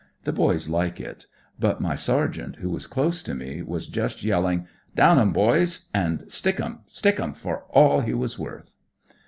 The boys like it. But my sergeant, who was close to me, was just yelling :' Down 'em, boys 1 ' and * Stick 'em ! Stick 'em I ' for all he was worth.